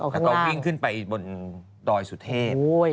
แล้วก็วิ่งขึ้นไปบนดอยสุเทพ